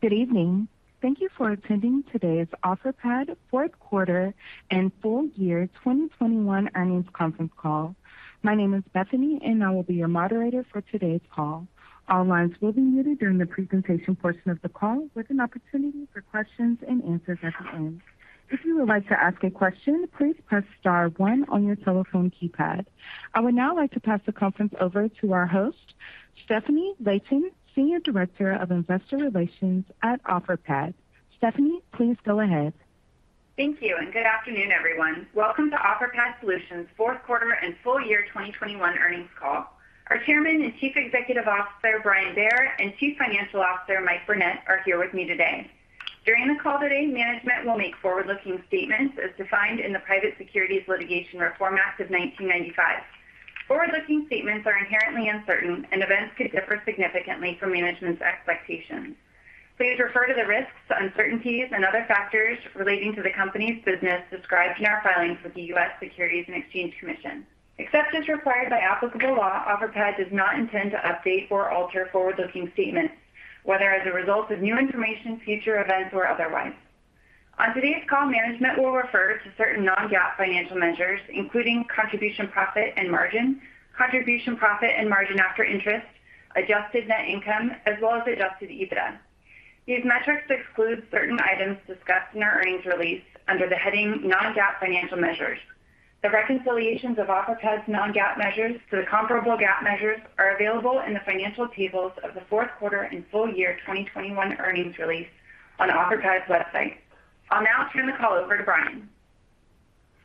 Good evening. Thank you for attending today's Offerpad fourth quarter and full year 2021 earnings conference call. My name is Bethany, and I will be your moderator for today's call. All lines will be muted during the presentation portion of the call with an opportunity for questions and answers at the end. If you would like to ask a question, please press star one on your telephone keypad. I would now like to pass the conference over to our host, Stefanie Layton, Senior Director of Investor Relations at Offerpad. Stefanie, please go ahead. Thank you, and good afternoon, everyone. Welcome to Offerpad Solutions' fourth quarter and full year 2021 earnings call. Our Chairman and Chief Executive Officer, Brian Bair, and Chief Financial Officer, Mike Burnett, are here with me today. During the call today, management will make forward-looking statements as defined in the Private Securities Litigation Reform Act of 1995. Forward-looking statements are inherently uncertain and events could differ significantly from management's expectations. Please refer to the risks, uncertainties, and other factors relating to the company's business described in our filings with the U.S. Securities and Exchange Commission. Except as required by applicable law, Offerpad does not intend to update or alter forward-looking statements, whether as a result of new information, future events, or otherwise. On today's call, management will refer to certain non-GAAP financial measures, including Contribution Profit and Margin, Contribution Profit and Margin After Interest, Adjusted Net Income, as well as Adjusted EBITDA. These metrics exclude certain items discussed in our earnings release under the heading Non-GAAP Financial Measures. The reconciliations of Offerpad's non-GAAP measures to the comparable GAAP measures are available in the financial tables of the fourth quarter and full year 2021 earnings release on Offerpad's website. I'll now turn the call over to Brian.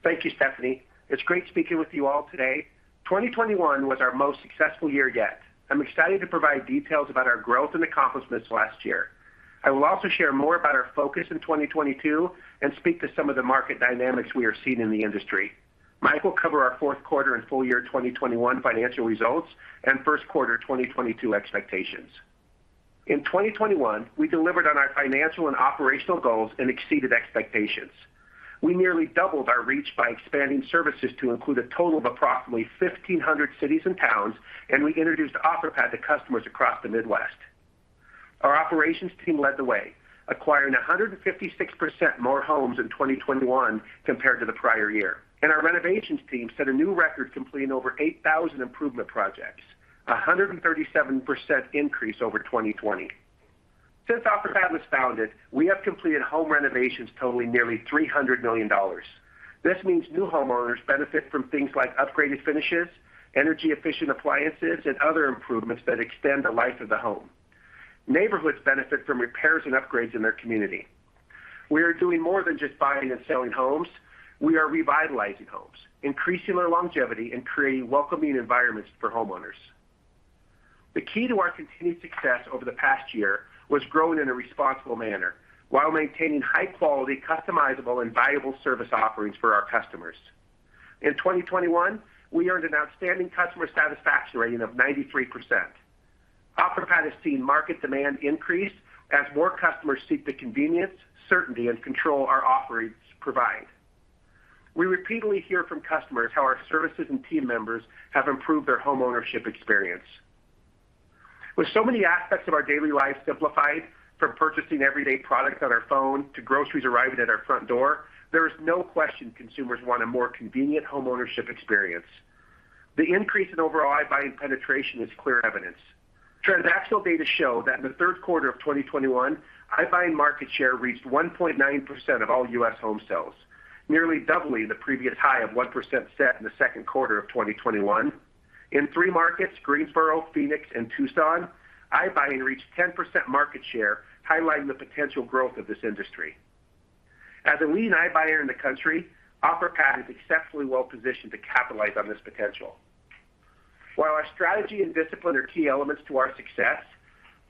Thank you, Stefanie. It's great speaking with you all today. 2021 was our most successful year yet. I'm excited to provide details about our growth and accomplishments last year. I will also share more about our focus in 2022 and speak to some of the market dynamics we are seeing in the industry. Mike will cover our fourth quarter and full year 2021 financial results and first quarter 2022 expectations. In 2021, we delivered on our financial and operational goals and exceeded expectations. We nearly doubled our reach by expanding services to include a total of approximately 1,500 cities and towns, and we introduced Offerpad to customers across the Midwest. Our operations team led the way, acquiring 156% more homes in 2021 compared to the prior year. Our renovations team set a new record, completing over 8,000 improvement projects, a 137% increase over 2020. Since Offerpad was founded, we have completed home renovations totaling nearly $300 million. This means new homeowners benefit from things like upgraded finishes, energy-efficient appliances, and other improvements that extend the life of the home. Neighborhoods benefit from repairs and upgrades in their community. We are doing more than just buying and selling homes. We are revitalizing homes, increasing their longevity, and creating welcoming environments for homeowners. The key to our continued success over the past year was growing in a responsible manner while maintaining high quality, customizable, and valuable service offerings for our customers. In 2021, we earned an outstanding customer satisfaction rating of 93%. Offerpad has seen market demand increase as more customers seek the convenience, certainty, and control our offerings provide. We repeatedly hear from customers how our services and team members have improved their homeownership experience. With so many aspects of our daily lives simplified, from purchasing everyday products on our phone to groceries arriving at our front door, there is no question consumers want a more convenient homeownership experience. The increase in overall iBuying penetration is clear evidence. Transactional data show that in the third quarter of 2021, iBuying market share reached 1.9% of all U.S. home sales, nearly doubling the previous high of 1% set in the second quarter of 2021. In three markets, Greensboro, Phoenix, and Tucson, iBuying reached 10% market share, highlighting the potential growth of this industry. As the leading iBuyer in the country, Offerpad is exceptionally well positioned to capitalize on this potential. While our strategy and discipline are key elements to our success,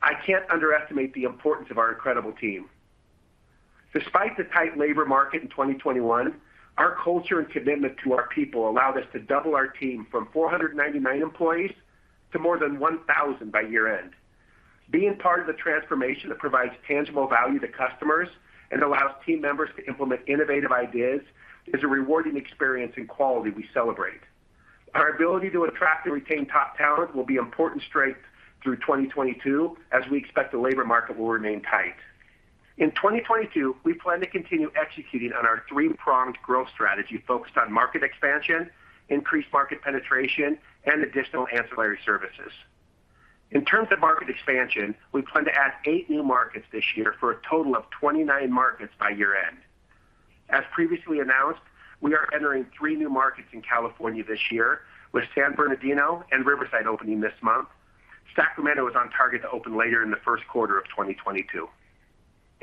I can't underestimate the importance of our incredible team. Despite the tight labor market in 2021, our culture and commitment to our people allowed us to double our team from 499 employees to more than 1,000 by year-end. Being part of the transformation that provides tangible value to customers and allows team members to implement innovative ideas is a rewarding experience and quality we celebrate. Our ability to attract and retain top talent will be important strength through 2022, as we expect the labor market will remain tight. In 2022, we plan to continue executing on our three-pronged growth strategy focused on market expansion, increased market penetration, and additional ancillary services. In terms of market expansion, we plan to add eight new markets this year for a total of 29 markets by year-end. As previously announced, we are entering three new markets in California this year with San Bernardino and Riverside opening this month. Sacramento is on target to open later in the first quarter of 2022.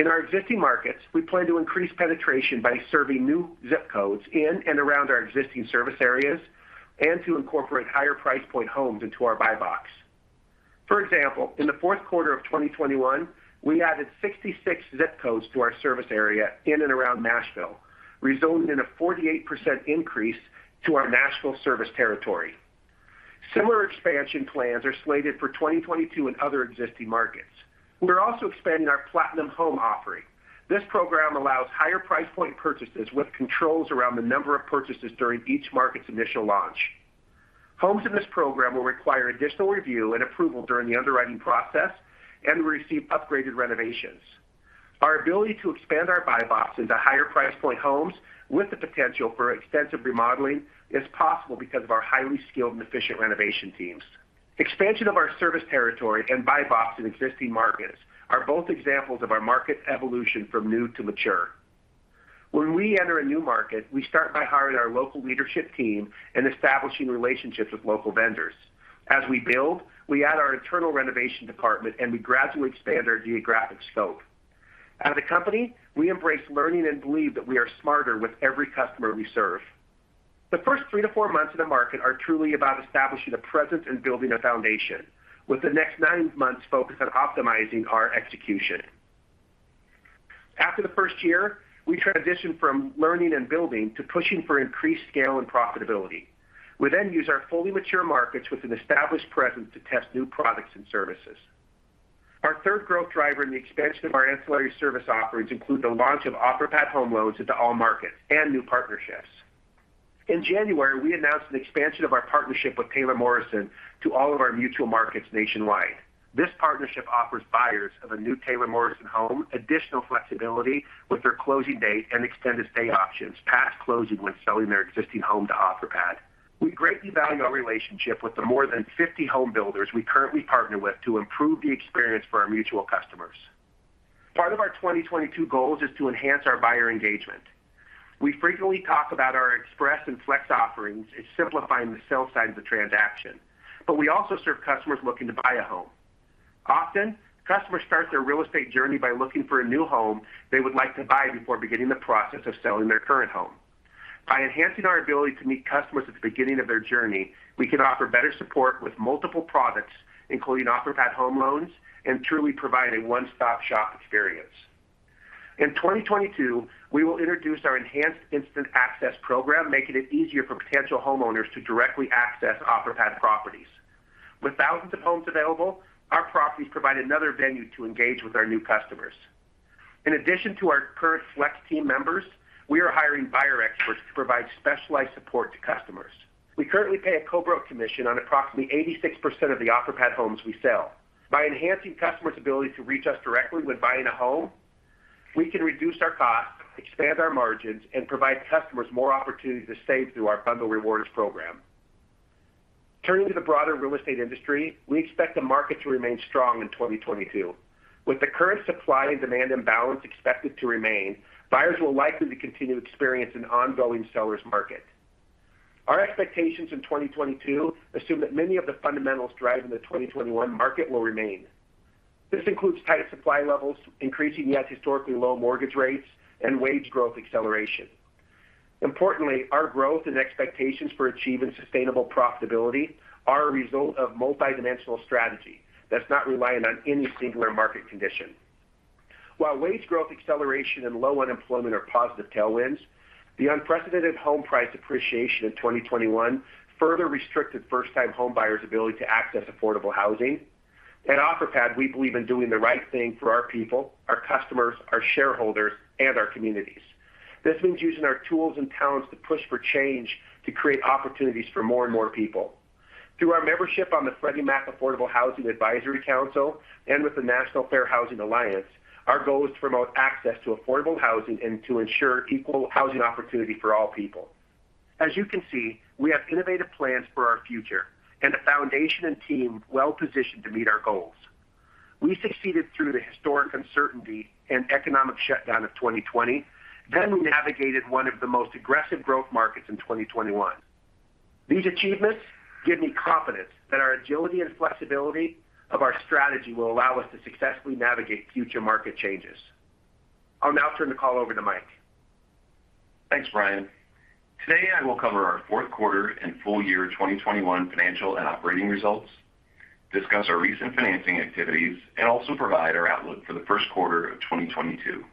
In our existing markets, we plan to increase penetration by serving new zip codes in and around our existing service areas and to incorporate higher price point homes into our buy box. For example, in the fourth quarter of 2021, we added 66 zip codes to our service area in and around Nashville, resulting in a 48% increase to our Nashville service territory. Similar expansion plans are slated for 2022 in other existing markets. We're also expanding our Platinum Home offering. This program allows higher price point purchases with controls around the number of purchases during each market's initial launch. Homes in this program will require additional review and approval during the underwriting process and will receive upgraded renovations. Our ability to expand our buy box into higher price point homes with the potential for extensive remodeling is possible because of our highly skilled and efficient renovation teams. Expansion of our service territory and buy box in existing markets are both examples of our market evolution from new to mature. When we enter a new market, we start by hiring our local leadership team and establishing relationships with local vendors. As we build, we add our internal renovation department, and we gradually expand our geographic scope. As a company, we embrace learning and believe that we are smarter with every customer we serve. The first 3-4 months in the market are truly about establishing a presence and building a foundation, with the next nine months focused on optimizing our execution. After the first year, we transition from learning and building to pushing for increased scale and profitability. We then use our fully mature markets with an established presence to test new products and services. Our third growth driver in the expansion of our ancillary service offerings include the launch of Offerpad Home Loans into all markets and new partnerships. In January, we announced an expansion of our partnership with Taylor Morrison to all of our mutual markets nationwide. This partnership offers buyers of a new Taylor Morrison home additional flexibility with their closing date and extended stay options past closing when selling their existing home to Offerpad. We greatly value our relationship with the more than 50 home builders we currently partner with to improve the experience for our mutual customers. Part of our 2022 goals is to enhance our buyer engagement. We frequently talk about our EXPRESS and FLEX offerings as simplifying the sell side of the transaction, but we also serve customers looking to buy a home. Often, customers start their real estate journey by looking for a new home they would like to buy before beginning the process of selling their current home. By enhancing our ability to meet customers at the beginning of their journey, we can offer better support with multiple products, including Offerpad Home Loans, and truly provide a one-stop-shop experience. In 2022, we will introduce our enhanced Instant Access program, making it easier for potential homeowners to directly access Offerpad properties. With thousands of homes available, our properties provide another venue to engage with our new customers. In addition to our current FLEX team members, we are hiring buyer experts to provide specialized support to customers. We currently pay a co-broke commission on approximately 86% of the Offerpad homes we sell. By enhancing customers' ability to reach us directly when buying a home, we can reduce our costs, expand our margins, and provide customers more opportunities to save through our Bundle Rewards program. Turning to the broader real estate industry, we expect the market to remain strong in 2022. With the current supply and demand imbalance expected to remain, buyers will likely to continue to experience an ongoing seller's market. Our expectations in 2022 assume that many of the fundamentals driving the 2021 market will remain. This includes tight supply levels, increasing yet historically low mortgage rates, and wage growth acceleration. Importantly, our growth and expectations for achieving sustainable profitability are a result of multidimensional strategy that's not reliant on any singular market condition. While wage growth acceleration and low unemployment are positive tailwinds, the unprecedented home price appreciation in 2021 further restricted first-time homebuyers' ability to access affordable housing. At Offerpad, we believe in doing the right thing for our people, our customers, our shareholders, and our communities. This means using our tools and talents to push for change to create opportunities for more and more people. Through our membership on the Freddie Mac Affordable Housing Advisory Council and with the National Fair Housing Alliance, our goal is to promote access to affordable housing and to ensure equal housing opportunity for all people. As you can see, we have innovative plans for our future and a foundation and team well-positioned to meet our goals. We succeeded through the historic uncertainty and economic shutdown of 2020, then we navigated one of the most aggressive growth markets in 2021. These achievements give me confidence that our agility and flexibility of our strategy will allow us to successfully navigate future market changes. I'll now turn the call over to Mike. Thanks, Brian. Today, I will cover our fourth quarter and full year 2021 financial and operating results, discuss our recent financing activities, and also provide our outlook for the first quarter of 2022.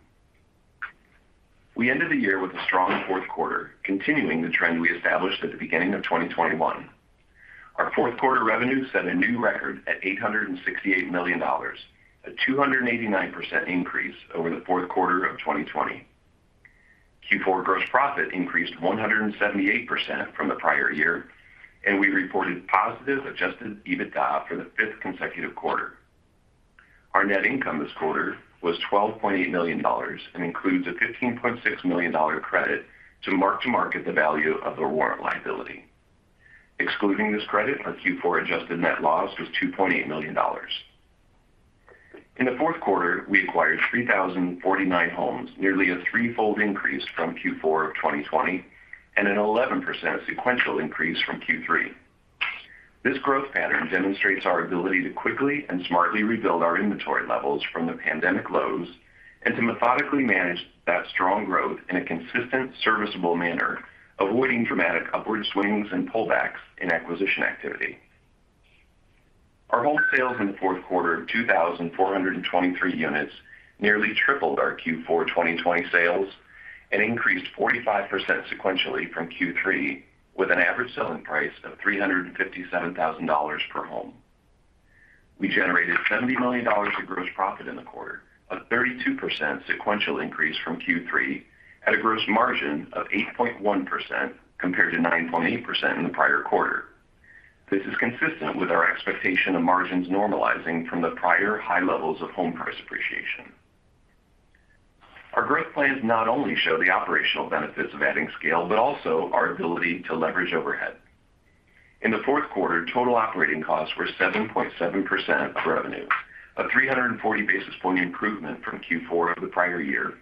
We ended the year with a strong fourth quarter, continuing the trend we established at the beginning of 2021. Our fourth quarter revenue set a new record at $868 million, a 289% increase over the fourth quarter of 2020. Q4 gross profit increased 178% from the prior year, and we reported positive adjusted EBITDA for the fifth consecutive quarter. Our net income this quarter was $12.8 million and includes a $15.6 million credit to mark-to-market the value of the warrant liability. Excluding this credit, our Q4 adjusted net loss was $2.8 million. In the fourth quarter, we acquired 3,049 homes, nearly a threefold increase from Q4 of 2020 and an 11% sequential increase from Q3. This growth pattern demonstrates our ability to quickly and smartly rebuild our inventory levels from the pandemic lows and to methodically manage that strong growth in a consistent, serviceable manner, avoiding dramatic upward swings and pullbacks in acquisition activity. Our home sales in the fourth quarter, 2,423 units, nearly tripled our Q4 2020 sales and increased 45% sequentially from Q3, with an average selling price of $357,000 per home. We generated $70 million of gross profit in the quarter, a 32% sequential increase from Q3 at a gross margin of 8.1% compared to 9.8% in the prior quarter. This is consistent with our expectation of margins normalizing from the prior high levels of home price appreciation. Our growth plans not only show the operational benefits of adding scale, but also our ability to leverage overhead. In the fourth quarter, total operating costs were 7.7% of revenue, a 340 basis point improvement from Q4 of the prior year,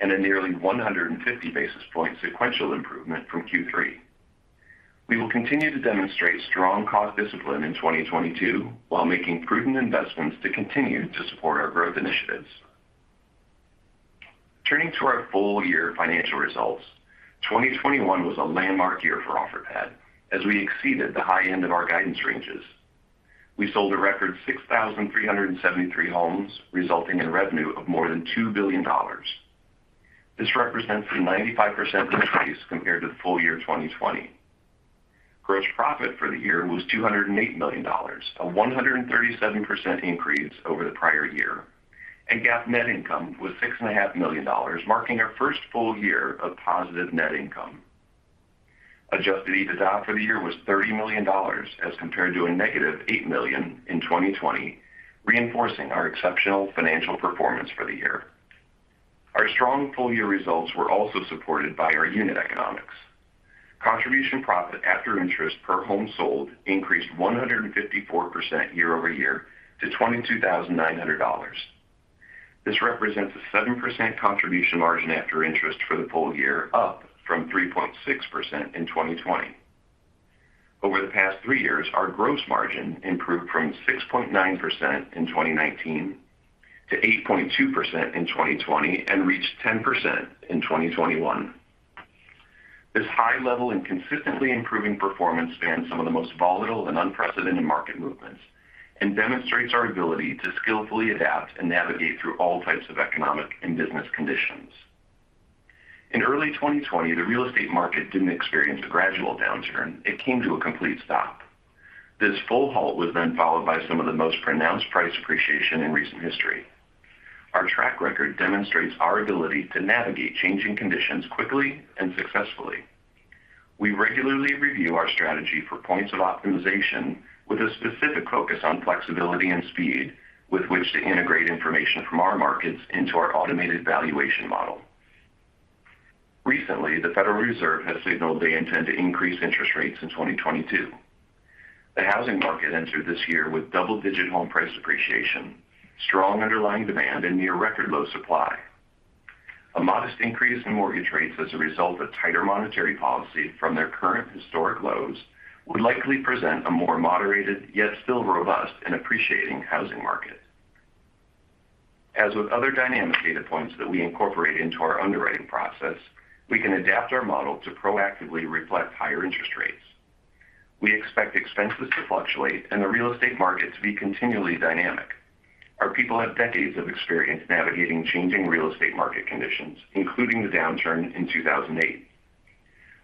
and a nearly 150 basis point sequential improvement from Q3. We will continue to demonstrate strong cost discipline in 2022 while making prudent investments to continue to support our growth initiatives. Turning to our full-year financial results. 2021 was a landmark year for Offerpad as we exceeded the high end of our guidance ranges. We sold a record 6,373 homes, resulting in revenue of more than $2 billion. This represents a 95% increase compared to full year 2020. Gross profit for the year was $208 million, a 137% increase over the prior year, and GAAP net income was $6.5 million, marking our first full year of positive net income. Adjusted EBITDA for the year was $30 million as compared to -$8 million in 2020, reinforcing our exceptional financial performance for the year. Our strong full-year results were also supported by our unit economics. Contribution profit after interest per home sold increased 154% year over year to $22,900. This represents a 7% contribution margin after interest for the full year, up from 3.6% in 2020. Over the past three years, our gross margin improved from 6.9% in 2019 to 8.2% in 2020 and reached 10% in 2021. This high level and consistently improving performance spans some of the most volatile and unprecedented market movements and demonstrates our ability to skillfully adapt and navigate through all types of economic and business conditions. In early 2020, the real estate market didn't experience a gradual downturn. It came to a complete stop. This full halt was then followed by some of the most pronounced price appreciation in recent history. Our track record demonstrates our ability to navigate changing conditions quickly and successfully. We regularly review our strategy for points of optimization with a specific focus on flexibility and speed with which to integrate information from our markets into our automated valuation model. Recently, the Federal Reserve has signaled they intend to increase interest rates in 2022. The housing market entered this year with double-digit home price appreciation, strong underlying demand, and near record low supply. A modest increase in mortgage rates as a result of tighter monetary policy from their current historic lows would likely present a more moderated, yet still robust and appreciating housing market. As with other dynamic data points that we incorporate into our underwriting process, we can adapt our model to proactively reflect higher interest rates. We expect expenses to fluctuate and the real estate market to be continually dynamic. Our people have decades of experience navigating changing real estate market conditions, including the downturn in 2008.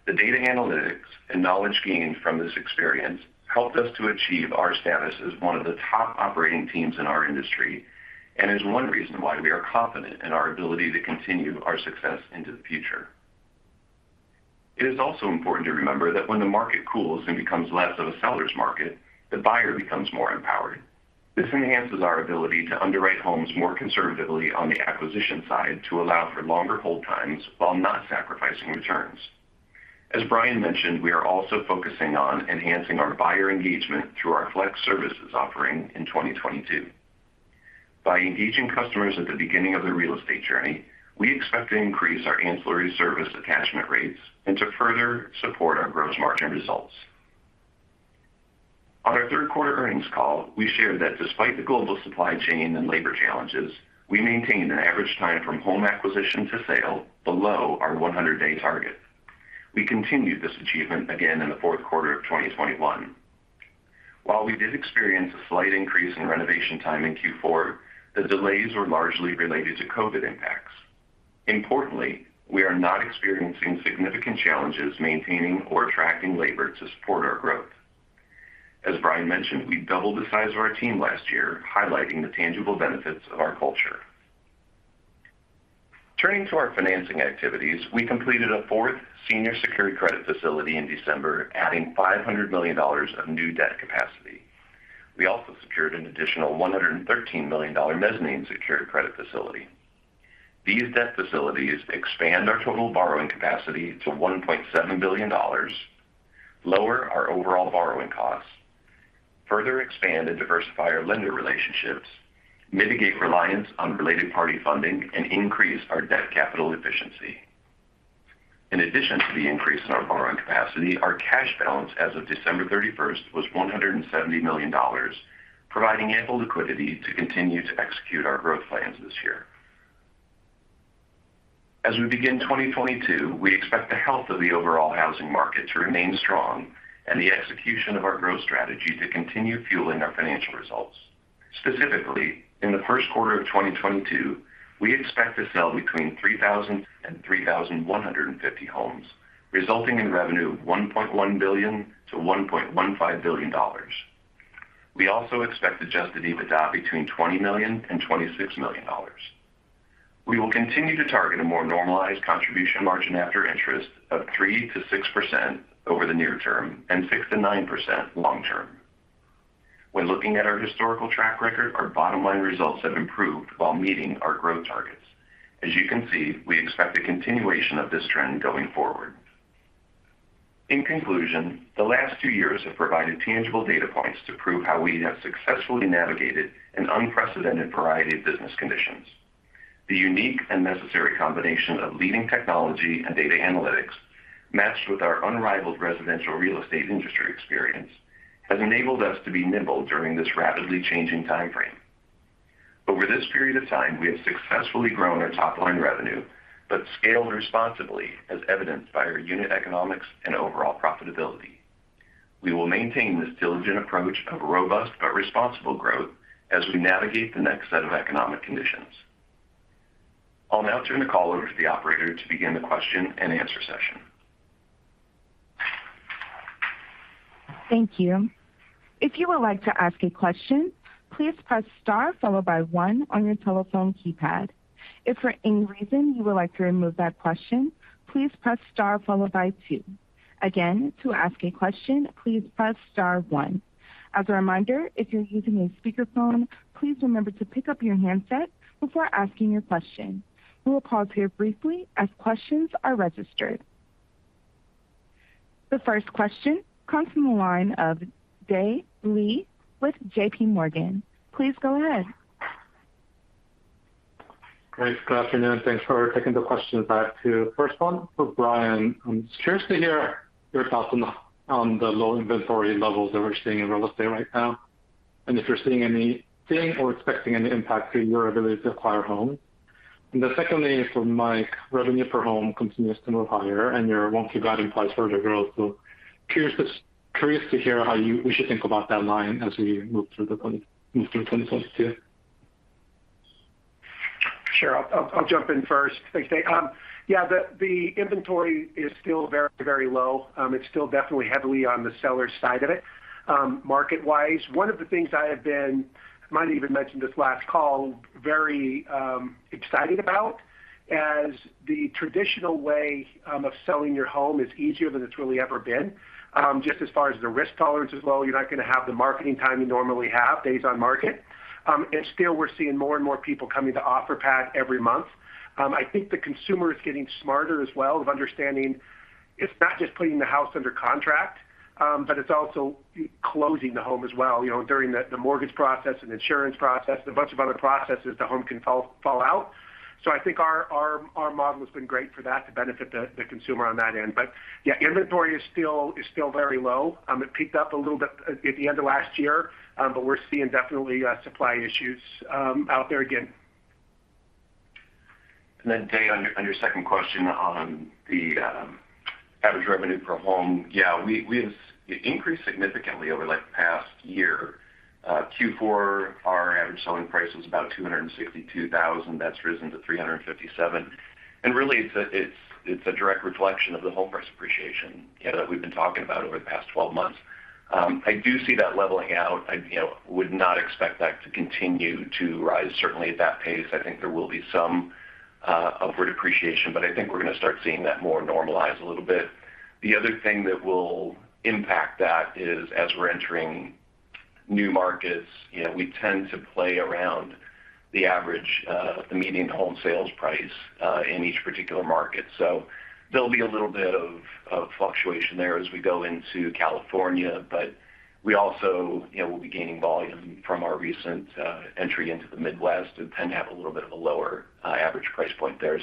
The data analytics and knowledge gained from this experience helped us to achieve our status as one of the top operating teams in our industry and is one reason why we are confident in our ability to continue our success into the future. It is also important to remember that when the market cools and becomes less of a seller's market, the buyer becomes more empowered. This enhances our ability to underwrite homes more conservatively on the acquisition side to allow for longer hold times while not sacrificing returns. As Brian mentioned, we are also focusing on enhancing our buyer engagement through our FLEX Services offering in 2022. By engaging customers at the beginning of their real estate journey, we expect to increase our ancillary service attachment rates and to further support our gross margin results. On our third quarter earnings call, we shared that despite the global supply chain and labor challenges, we maintained an average time from home acquisition to sale below our 100-day target. We continued this achievement again in the fourth quarter of 2021. While we did experience a slight increase in renovation time in Q4, the delays were largely related to COVID impacts. Importantly, we are not experiencing significant challenges maintaining or attracting labor to support our growth. As Brian mentioned, we doubled the size of our team last year, highlighting the tangible benefits of our culture. Turning to our financing activities. We completed a fourth senior secured credit facility in December, adding $500 million of new debt capacity. We also secured an additional $113 million mezzanine secured credit facility. These debt facilities expand our total borrowing capacity to $1.7 billion, lower our overall borrowing costs, further expand and diversify our lender relationships, mitigate reliance on related party funding, and increase our debt capital efficiency. In addition to the increase in our borrowing capacity, our cash balance as of December 31 was $170 million, providing ample liquidity to continue to execute our growth plans this year. As we begin 2022, we expect the health of the overall housing market to remain strong and the execution of our growth strategy to continue fueling our financial results. Specifically, in the first quarter of 2022, we expect to sell between 3,000 and 3,150 homes, resulting in revenue of $1.1 billion-$1.15 billion. We also expect Adjusted EBITDA between $20 million and $26 million. We will continue to target a more normalized Contribution Margin After Interest of 3%-6% over the near term and 6%-9% long term. When looking at our historical track record, our bottom line results have improved while meeting our growth targets. As you can see, we expect a continuation of this trend going forward. In conclusion, the last two years have provided tangible data points to prove how we have successfully navigated an unprecedented variety of business conditions. The unique and necessary combination of leading technology and data analytics, matched with our unrivaled residential real estate industry experience, has enabled us to be nimble during this rapidly changing time frame. Over this period of time, we have successfully grown our top line revenue but scaled responsibly as evidenced by our unit economics and overall profitability. We will maintain this diligent approach of robust but responsible growth as we navigate the next set of economic conditions. I'll now turn the call over to the operator to begin the question-and-answer session. Thank you. If you would like to ask a question, please press star followed by one on your telephone keypad. If for any reason you would like to remove that question, please press star followed by two. Again, to ask a question, please press star one. As a reminder, if you're using a speakerphone, please remember to pick up your handset before asking your question. We will pause here briefly as questions are registered. The first question comes from the line of Dae Lee with JPMorgan. Please go ahead. Great. Good afternoon. Thanks for taking the questions. Back to first one for Brian. I'm curious to hear your thoughts on the low inventory levels that we're seeing in real estate right now, and if you're seeing or expecting any impact to your ability to acquire home. Then secondly for Mike, revenue per home continues to move higher and your walk-through guide implies further growth. Curious to hear how we should think about that line as we move through 2022. Sure. I'll jump in first. Thanks, Dae. Yeah, the inventory is still very low. It's still definitely heavily on the seller side of it. Market-wise, one of the things I might even have mentioned this last call, very excited about. As the traditional way of selling your home is easier than it's really ever been. Just as far as the risk tolerance as well. You're not going to have the marketing time you normally have, days on market. Still we're seeing more and more people coming to Offerpad every month. I think the consumer is getting smarter as well of understanding it's not just putting the house under contract, but it's also closing the home as well. You know, during the mortgage process and insurance process, a bunch of other processes, the home can fall out. I think our model has been great for that to benefit the consumer on that end. Yeah, inventory is still very low. It peaked up a little bit at the end of last year, but we're seeing definitely supply issues out there again. Dae, on your second question on the average revenue per home. Yeah, we've increased significantly over like the past year. Q4, our average selling price was about $262,000. That's risen to $357,000. Really it's a direct reflection of the home price appreciation, you know, that we've been talking about over the past twelve months. I do see that leveling out. I you know would not expect that to continue to rise certainly at that pace. I think there will be some upward appreciation, but I think we're going to start seeing that more normalized a little bit. The other thing that will impact that is as we're entering new markets, you know, we tend to play around the average, the median home sales price in each particular market. There'll be a little bit of fluctuation there as we go into California. We also, you know, will be gaining volume from our recent entry into the Midwest and tend to have a little bit of a lower average price point there.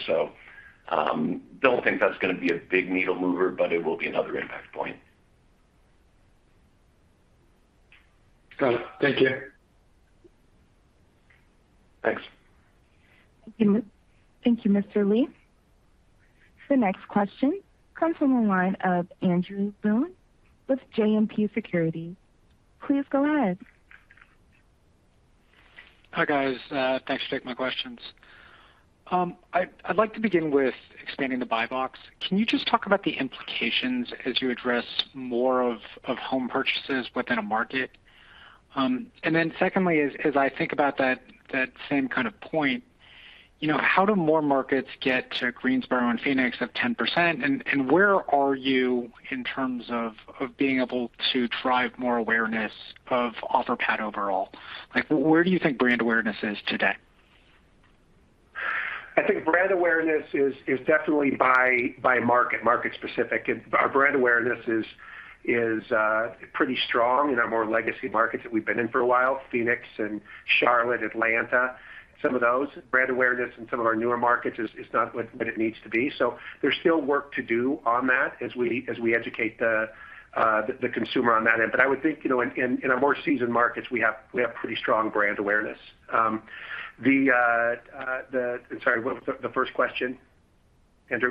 Don't think that's going to be a big needle mover, but it will be another impact point. Got it. Thank you. Thanks. Thank you, Mr. Lee. The next question comes from the line of Andrew Boone with JMP Securities. Please go ahead. Hi, guys. Thanks for taking my questions. I'd like to begin with expanding the buy box. Can you just talk about the implications as you address more of home purchases within a market? And then secondly, as I think about that same kind of point, you know, how do more markets get to Greensboro and Phoenix of 10%? And where are you in terms of being able to drive more awareness of Offerpad overall? Like, where do you think brand awareness is today? I think brand awareness is definitely by market specific. Our brand awareness is pretty strong in our more legacy markets that we've been in for a while, Phoenix and Charlotte, Atlanta, some of those. Brand awareness in some of our newer markets is not what it needs to be. There's still work to do on that as we educate the consumer on that end. But I would think, you know, in our more seasoned markets, we have pretty strong brand awareness. I'm sorry, what was the first question, Andrew?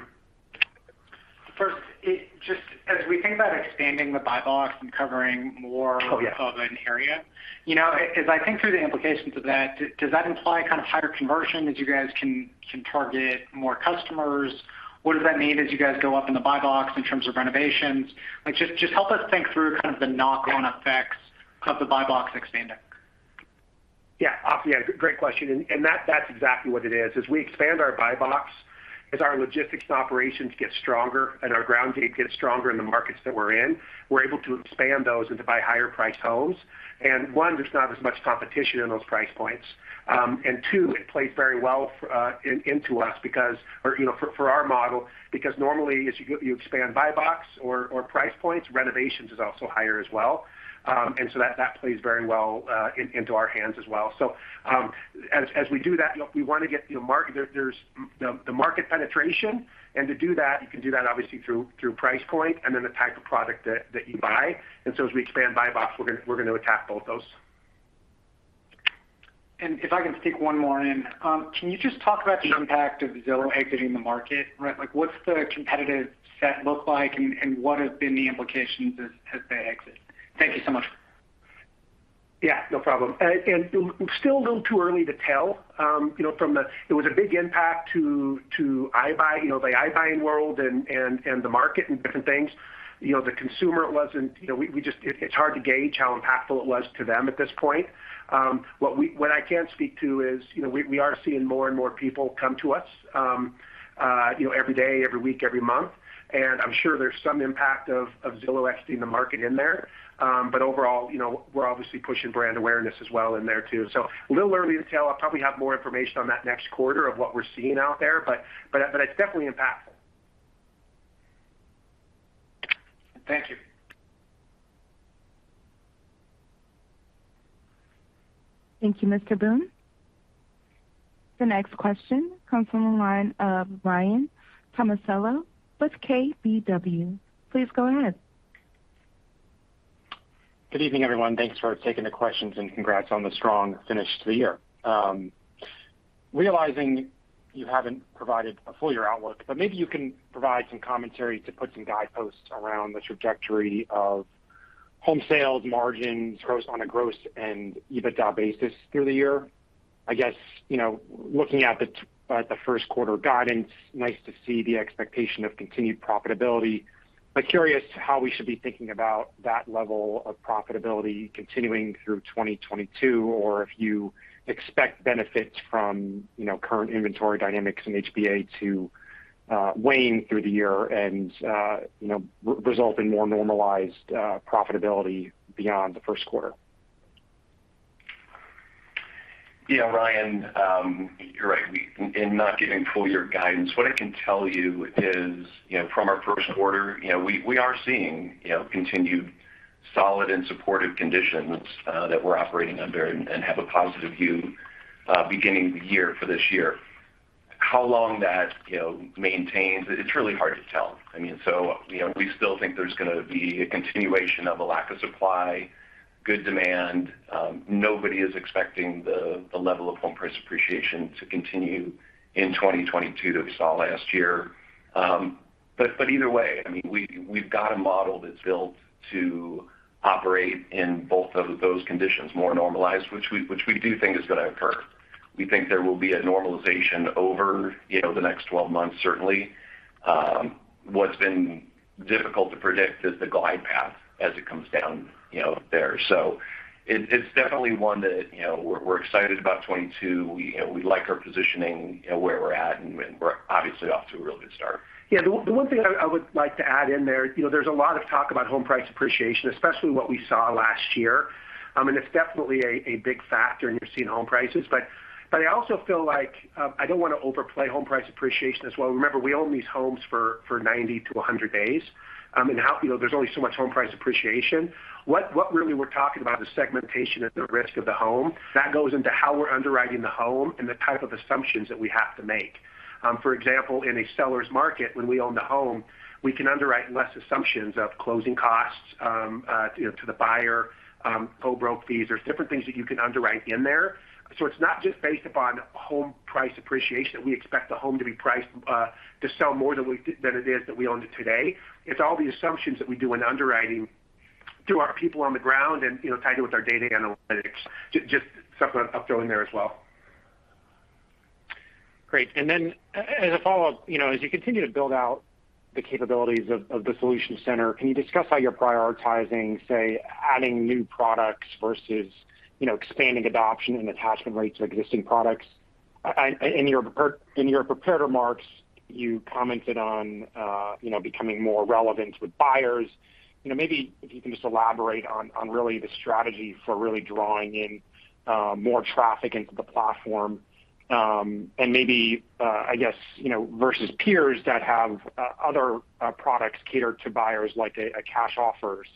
First, it's just as we think about expanding the buy box and covering more Oh, yeah. of an area. You know, as I think through the implications of that, does that imply kind of higher conversion as you guys can target more customers? What does that mean as you guys go up in the buy box in terms of renovations? Like, just help us think through kind of the knock-on effects help the buy box expand it. Yeah. Great question. that's exactly what it is. As we expand our buy box, as our logistics and operations get stronger and our ground team gets stronger in the markets that we're in, we're able to expand those and to buy higher priced homes. One, there's not as much competition in those price points, and two, it plays very well into us because or, you know, for our model, because normally as you expand buy box or price points, renovations is also higher as well that plays very well into our hands as well. As we do that, you know, we wanna get, you know, market penetration. To do that, you can do that obviously through price point and then the type of product that you buy. As we expand buy box, we're gonna attack both those. If I can sneak one more in. Can you just talk about the impact of Zillow exiting the market, right? Like, what's the competitive set look like and what have been the implications as they exit? Thank you so much. Yeah, no problem. It's still a little too early to tell from the. It was a big impact to iBuying, you know, the iBuying world and the market and different things. You know, the consumer wasn't. You know, we just. It's hard to gauge how impactful it was to them at this point. What I can speak to is, you know, we are seeing more and more people come to us, you know, every day, every week, every month. I'm sure there's some impact of Zillow exiting the market in there. But overall, you know, we're obviously pushing brand awareness as well in there too. A little early to tell. I'll probably have more information on that next quarter on what we're seeing out there, but it's definitely impactful. Thank you. Thank you, Mr. Boone. The next question comes from the line of Ryan Tomasello with KBW. Please go ahead. Good evening, everyone. Thanks for taking the questions, and congrats on the strong finish to the year. Realizing you haven't provided a full year outlook, but maybe you can provide some commentary to put some guideposts around the trajectory of home sales margins gross on a gross and EBITDA basis through the year. I guess, you know, looking at the first quarter guidance, nice to see the expectation of continued profitability. Curious how we should be thinking about that level of profitability continuing through 2022, or if you expect benefits from, you know, current inventory dynamics in HPA to wane through the year and, you know, result in more normalized profitability beyond the first quarter. Yeah, Ryan, you're right. In not giving full year guidance, what I can tell you is, from our first quarter, we are seeing continued solid and supportive conditions that we're operating under and have a positive view beginning of the year for this year. How long that maintains, it's really hard to tell. We still think there's gonna be a continuation of a lack of supply, good demand. Nobody is expecting the level of home price appreciation to continue in 2022 that we saw last year. But either way, we've got a model that's built to operate in both of those conditions more normalized, which we do think is gonna occur. We think there will be a normalization over, you know, the next 12 months, certainly. What's been difficult to predict is the glide path as it comes down, you know, there. It's definitely one that, you know, we're excited about 2022. You know, we like our positioning, you know, where we're at, and we're obviously off to a really good start. Yeah. The one thing I would like to add in there, you know, there's a lot of talk about home price appreciation, especially what we saw last year. I mean, it's definitely a big factor and you're seeing home prices. I also feel like I don't wanna overplay home price appreciation as well. Remember, we own these homes for 90-100 days. You know, there's only so much home price appreciation. What really we're talking about is segmentation of the risk of the home. That goes into how we're underwriting the home and the type of assumptions that we have to make. For example, in a seller's market, when we own the home, we can underwrite less assumptions of closing costs, you know, to the buyer, co-broke fees. There's different things that you can underwrite in there. It's not just based upon home price appreciation. We expect the home to be priced to sell more than it is that we own it today. It's all the assumptions that we do in underwriting through our people on the ground and, you know, tied in with our data analytics. Just something I'll throw in there as well. Great. As a follow-up, as you continue to build out the capabilities of the Solutions Center, can you discuss how you're prioritizing, say, adding new products versus expanding adoption and attachment rates of existing products? In your prepared remarks, you commented on becoming more relevant with buyers. Maybe if you can just elaborate on really the strategy for really drawing in more traffic into the platform. Maybe versus peers that have other products catered to buyers like a cash offers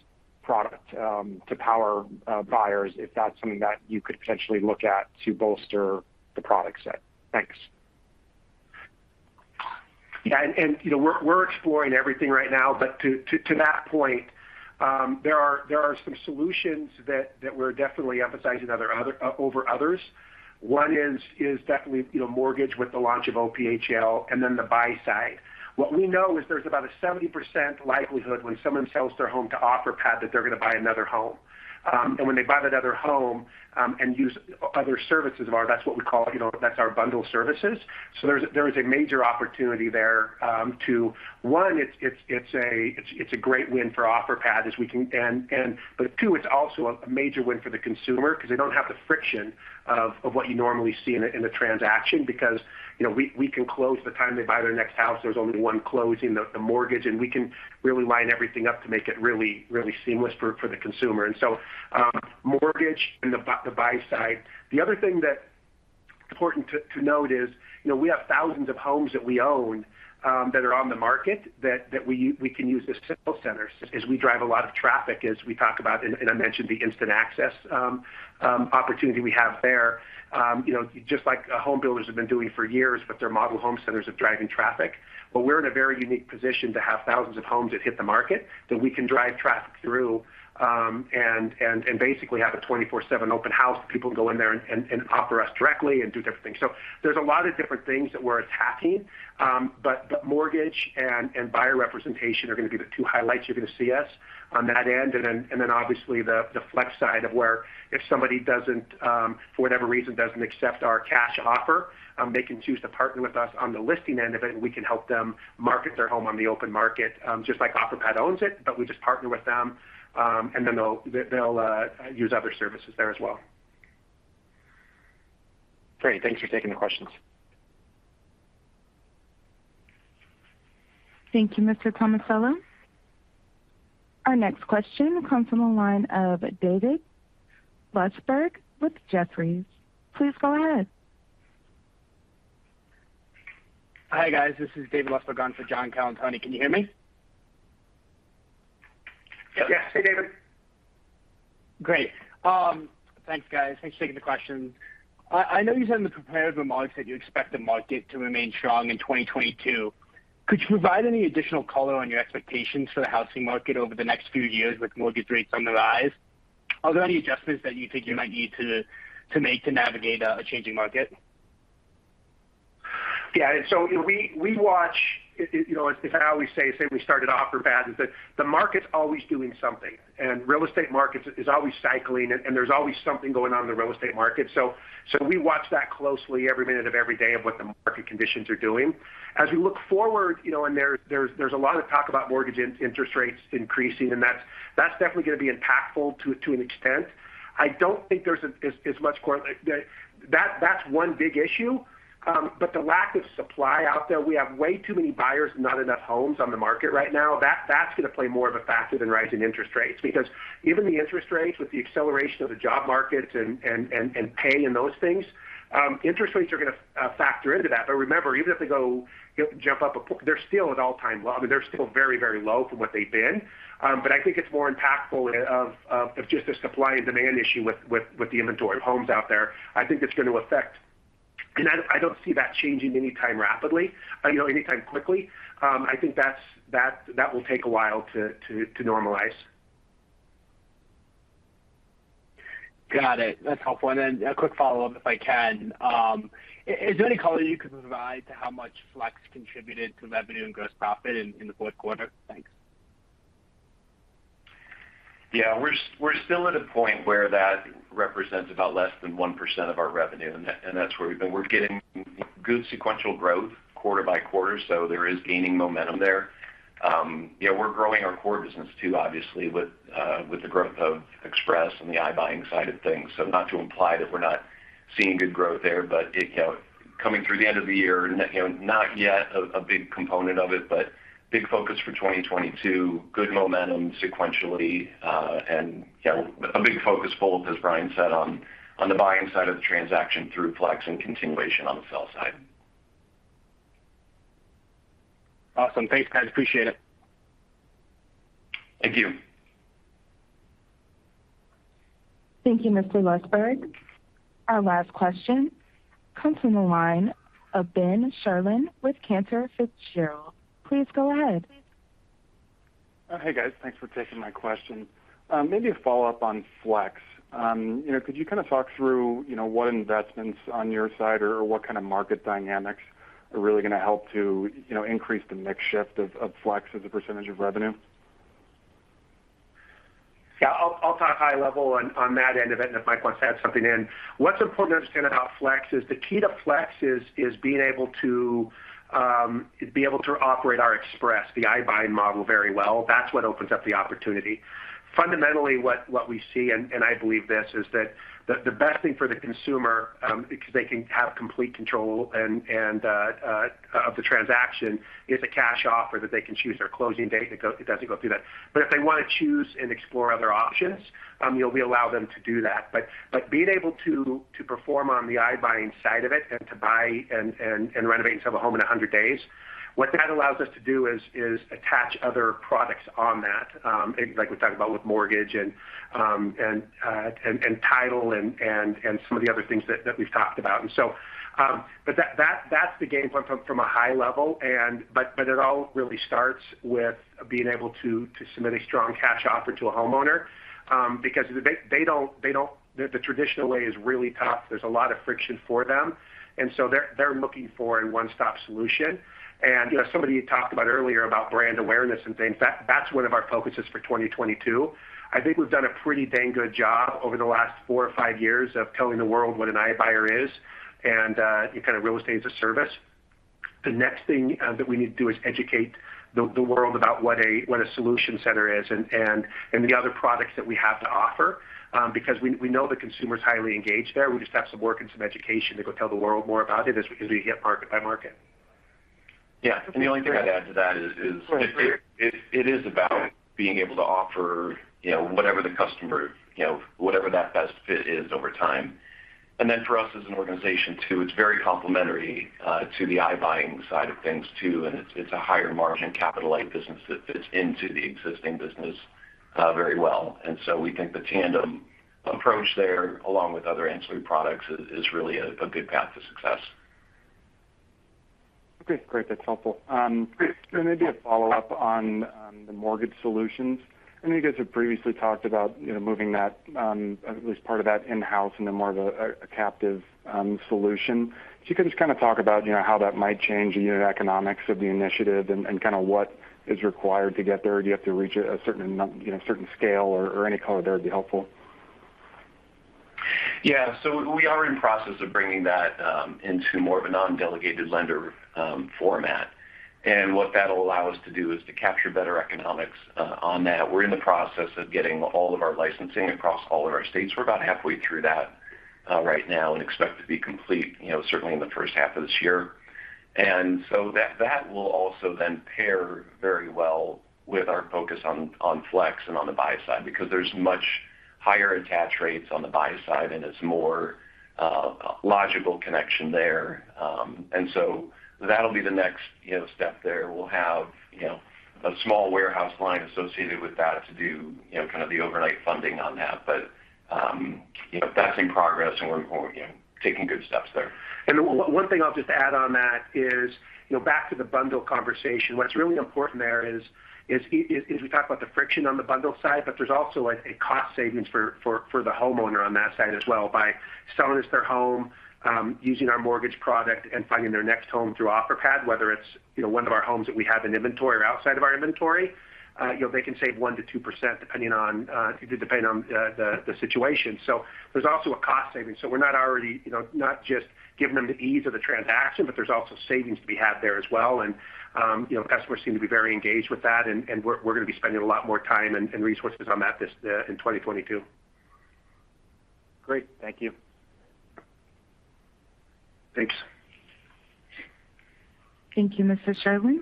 product to empower buyers, if that's something that you could potentially look at to bolster the product set. Thanks. Yeah. You know, we're exploring everything right now, but to that point, there are some solutions that we're definitely emphasizing other over others. One is definitely, you know, mortgage with the launch of OPHL and then the buy side. What we know is there's about a 70% likelihood when someone sells their home to Offerpad that they're gonna buy another home. And when they buy that other home and use other services of ours, that's what we call, you know, that's our bundle services. There's a major opportunity there to one, it's a great win for Offerpad as we can... But two, it's also a major win for the consumer because they don't have the friction of what you normally see in a transaction because, you know, we can close at the time they buy their next house. There's only one closing, the mortgage, and we can really line everything up to make it really, really seamless for the consumer. Mortgage and the buy side. The other thing important to note is, you know, we have thousands of homes that we own that are on the market that we can use as Solutions Centers as we drive a lot of traffic as we talk about, and I mentioned the Instant Access opportunity we have there. You know, just like home builders have been doing for years with their model home centers of driving traffic. We're in a very unique position to have thousands of homes that hit the market that we can drive traffic through, and basically have a 24/7 open house. People go in there and offer us directly and do different things. There's a lot of different things that we're attacking. The mortgage and buyer representation are going to be the two highlights. You're going to see us on that end. Obviously the FLEX side where if somebody doesn't for whatever reason accept our cash offer, they can choose to partner with us on the listing end of it, and we can help them market their home on the open market, just like Offerpad owns it, but we just partner with them, and then they'll use other services there as well. Great. Thanks for taking the questions. Thank you, Mr. Tomasello. Our next question comes from the line of David Lustberg with Jefferies. Please go ahead. Hi, guys. This is David Lustberg on for John Colantuoni. Can you hear me? Yes. Hey, David. Great. Thanks, guys. Thanks for taking the questions. I know you said in the prepared remarks that you expect the market to remain strong in 2022. Could you provide any additional color on your expectations for the housing market over the next few years with mortgage rates on the rise? Are there any adjustments that you think you might need to make to navigate a changing market? Yeah. We watch, you know, as I always say, since we started Offerpad, that the market's always doing something, and real estate market is always cycling, and there's always something going on in the real estate market. We watch that closely every minute of every day what the market conditions are doing. As we look forward, you know, and there's a lot of talk about mortgage interest rates increasing, and that's definitely going to be impactful to an extent. I don't think there's as much. That's one big issue. The lack of supply out there, we have way too many buyers and not enough homes on the market right now. That, that's going to play more of a factor than rising interest rates, because even the interest rates with the acceleration of the job market and pay and those things, interest rates are going to factor into that. Remember, even if they jump up, they're still at all-time low. I mean, they're still very, very low from what they've been. I think it's more impactful of just the supply and demand issue with the inventory of homes out there. I think it's going to affect that. I don't see that changing anytime rapidly, you know, anytime quickly. I think that will take a while to normalize. Got it. That's helpful. A quick follow-up, if I can. Is there any color you could provide to how much FLEX contributed to revenue and gross profit in the fourth quarter? Thanks. Yeah. We're still at a point where that represents about less than 1% of our revenue, and that's where we've been. We're getting good sequential growth quarter by quarter, so there is gaining momentum there. Yeah, we're growing our core business too, obviously, with the growth of Express and the iBuying side of things. Not to imply that we're not seeing good growth there, but you know, coming through the end of the year, you know, not yet a big component of it, but big focus for 2022, good momentum sequentially, and you know, a big focus for, as Brian said, on the buying side of the transaction through Flex and continuation on the sell side. Awesome. Thanks, guys. Appreciate it. Thank you. Thank you, Mr. Lustberg. Our last question comes from the line of Benjamin Sherlund with Cantor Fitzgerald. Please go ahead. Hey, guys. Thanks for taking my question. Maybe a follow-up on Flex. You know, could you kind of talk through, you know, what investments on your side or what kind of market dynamics are really going to help to, you know, increase the mix shift of Flex as a percentage of revenue? Yeah. I'll talk high level on that end of it, and if Mike wants to add something in. What's important to understand about Flex is the key to Flex is being able to operate our Express, the iBuying model very well. That's what opens up the opportunity. Fundamentally, what we see, and I believe this, is that the best thing for the consumer because they can have complete control and of the transaction is a cash offer that they can choose their closing date. It doesn't go through that. If they want to choose and explore other options, we allow them to do that. Being able to perform on the iBuying side of it and to buy and renovate and sell the home in 100 days, what that allows us to do is attach other products on that, like we talked about with mortgage and title and some of the other things that we've talked about. That's the game plan from a high level. It all really starts with being able to submit a strong cash offer to a homeowner, because they don't. The traditional way is really tough. There's a lot of friction for them. They're looking for a one-stop solution. You know, somebody talked about earlier about brand awareness and things. That's one of our focuses for 2022. I think we've done a pretty dang good job over the last four or five years of telling the world what an iBuyer is and kind of real estate as a service. The next thing that we need to do is educate the world about what a Solutions Center is and the other products that we have to offer, because we know the consumer is highly engaged there. We just have some work and some education to go tell the world more about it as we can do hit market by market. Yeah. The only thing I'd add to that is it is about being able to offer, you know, whatever the customer, you know, whatever that best fit is over time. Then for us as an organization too, it's very complementary to the iBuying side of things too, and it's a higher margin capital light business that fits into the existing business very well. We think the tandem approach there, along with other ancillary products is really a good path to success. Okay. Great. That's helpful. Maybe a follow-up on the mortgage solutions. I know you guys have previously talked about, you know, moving that, at least part of that in-house into more of a captive solution. If you could just kind of talk about, you know, how that might change the unit economics of the initiative and kind of what is required to get there. Do you have to reach a you know, certain scale or any color there would be helpful. Yeah. We are in process of bringing that into more of a non-delegated lender format. What that'll allow us to do is to capture better economics on that. We're in the process of getting all of our licensing across all of our states. We're about halfway through that right now and expect to be complete, you know, certainly in the first half of this year. That will also then pair very well with our focus on flex and on the buy-side because there's much higher attach rates on the buy-side and it's more logical connection there. That'll be the next, you know, step there. We'll have, you know, a small warehouse line associated with that to do, you know, kind of the overnight funding on that. You know, that's in progress and we're, you know, taking good steps there. One thing I'll just add on that is, you know, back to the bundle conversation, what's really important there is we talk about the friction on the bundle side, but there's also a cost savings for the homeowner on that side as well by selling us their home, using our mortgage product and finding their next home through Offerpad, whether it's, you know, one of our homes that we have in inventory or outside of our inventory, you know, they can save 1%-2% depending on the situation. So there's also a cost saving. So we're not already, you know, not just giving them the ease of the transaction, but there's also savings to be had there as well. You know, customers seem to be very engaged with that and we're gonna be spending a lot more time and resources on that this in 2022. Great. Thank you. Thanks. Thank you, Mr. Sherlund.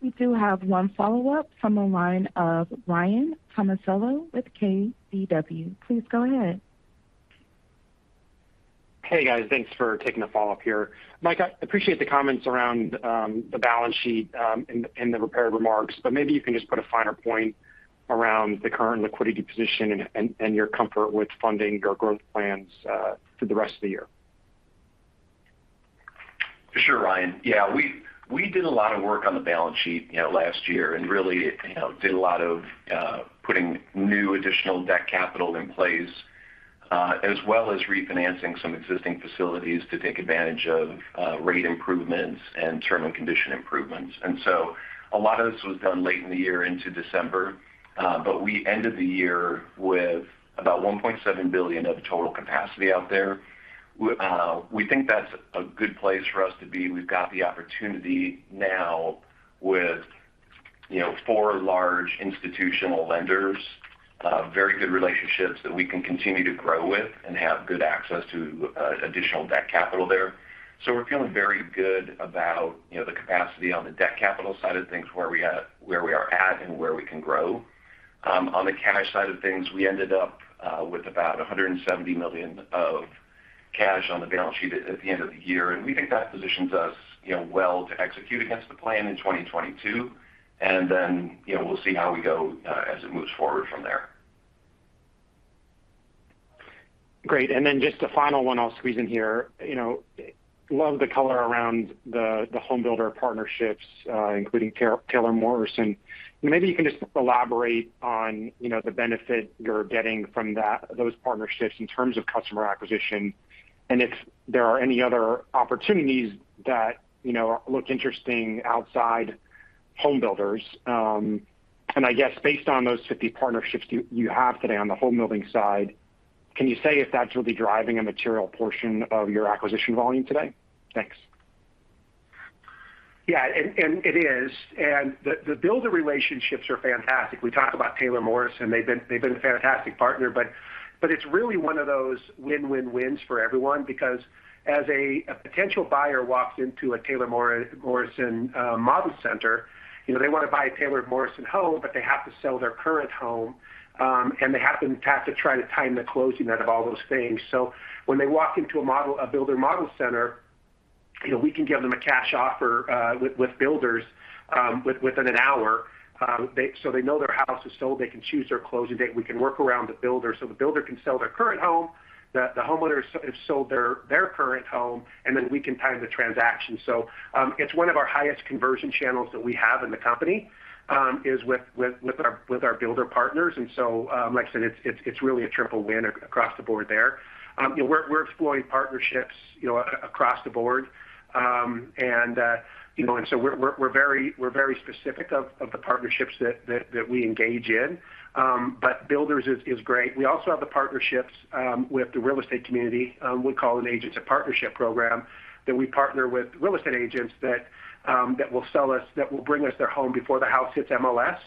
We do have one follow-up from the line of Ryan Tomasello with KBW. Please go ahead. Hey, guys. Thanks for taking the follow-up here. Mike, I appreciate the comments around the balance sheet in the prepared remarks, but maybe you can just put a finer point around the current liquidity position and your comfort with funding your growth plans for the rest of the year. Sure, Ryan. Yeah. We did a lot of work on the balance sheet, you know, last year and really, you know, did a lot of putting new additional debt capital in place, as well as refinancing some existing facilities to take advantage of rate improvements and term and condition improvements. A lot of this was done late in the year into December. But we ended the year with about $1.7 billion of total capacity out there. We think that's a good place for us to be. We've got the opportunity now with, you know, four large institutional lenders, very good relationships that we can continue to grow with and have good access to additional debt capital there. We're feeling very good about, you know, the capacity on the debt capital side of things, where we are at and where we can grow. On the cash side of things, we ended up with about $170 million of cash on the balance sheet at the end of the year. We think that positions us, you know, well to execute against the plan in 2022. You know, we'll see how we go as it moves forward from there. Great. Just a final one I'll squeeze in here. You know, love the color around the home builder partnerships, including Taylor Morrison. Maybe you can just elaborate on, you know, the benefit you're getting from that, those partnerships in terms of customer acquisition, And if there are any other opportunities that, you know, look interesting outside home builders. I guess based on those 50 partnerships you have today on the home building side, can you say if that's really driving a material portion of your acquisition volume today? Thanks. The builder relationships are fantastic. We talk about Taylor Morrison. They've been a fantastic partner, but it's really one of those win-win-wins for everyone because a potential buyer walks into a Taylor Morrison model center, you know, they want to buy a Taylor Morrison home, but they have to sell their current home, and they have to try to time the closing out of all those things. When they walk into a builder model center, you know, we can give them a cash offer with builders within an hour, so they know their house is sold, they can choose their closing date. We can work around the builder, so the builder can sell their current home. The homeowner has sold their current home, and then we can time the transaction. It's one of our highest conversion channels that we have in the company is with our builder partners. Like I said, it's really a triple win across the board there. You know, we're exploring partnerships, you know, across the board. You know, we're very specific of the partnerships that we engage in. But builders is great. We also have the partnerships with the real estate community. We call it an Agent Partnership Program, that we partner with real estate agents that will bring us their home before the house hits MLS,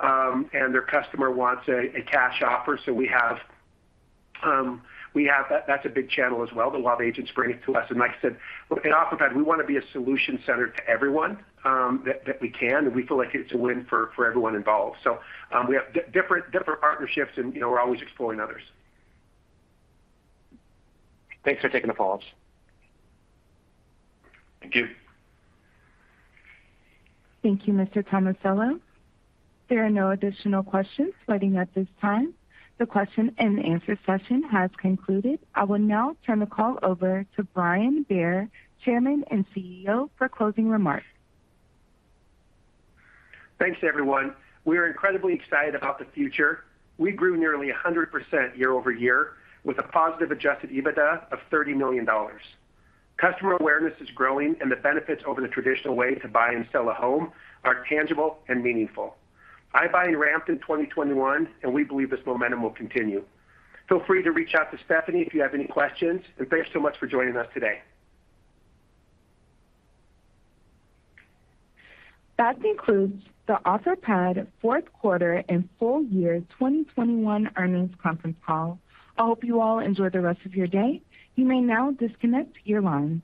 and their customer wants a cash offer. We have that's a big channel as well, that a lot of agents bring it to us. Like I said, looking at Offerpad, we want to be a Solutions Center to everyone that we can, and we feel like it's a win for everyone involved. We have different partnerships and, you know, we're always exploring others. Thanks for taking the follow-ups. Thank you. Thank you, Mr. Tomasello. There are no additional questions waiting at this time. The question and answer session has concluded. I will now turn the call over to Brian Bair, Chairman and CEO, for closing remarks. Thanks, everyone. We are incredibly excited about the future. We grew nearly 100% year-over-year with a positive Adjusted EBITDA of $30 million. Customer awareness is growing, and the benefits over the traditional way to buy and sell a home are tangible and meaningful. iBuying ramped in 2021, and we believe this momentum will continue. Feel free to reach out to Stephanie if you have any questions, and thanks so much for joining us today. That concludes the Offerpad fourth quarter and full year 2021 earnings conference call. I hope you all enjoy the rest of your day. You may now disconnect your lines.